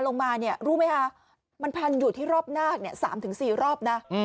ลงมาเนี่ยรู้ไหมคะมันพันอยู่ที่รอบนาค๓๔รอบนะ